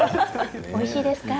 おいしいですか？